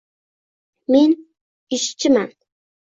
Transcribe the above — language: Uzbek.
Men ishchiman.